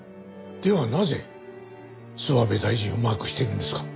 ではなぜ諏訪部大臣をマークしているんですか？